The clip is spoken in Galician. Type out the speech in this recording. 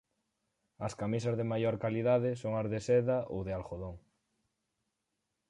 As camisas de maior calidade son as de seda ou de algodón.